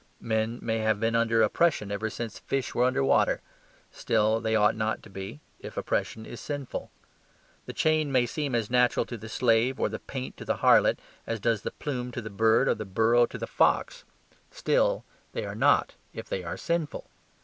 Men may have been under oppression ever since fish were under water; still they ought not to be, if oppression is sinful. The chain may seem as natural to the slave, or the paint to the harlot, as does the plume to the bird or the burrow to the fox; still they are not, if they are sinful.